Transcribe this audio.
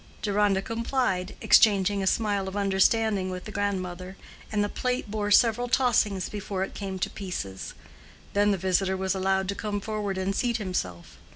Deronda complied, exchanging a smile of understanding with the grandmother, and the plate bore several tossings before it came to pieces; then the visitor was allowed to come forward and seat himself.